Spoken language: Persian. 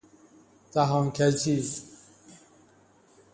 دهان کجی